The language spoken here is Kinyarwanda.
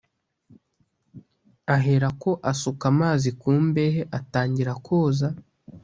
Aherako asuka amazi ku mbehe atangira koza